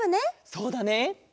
そうだね。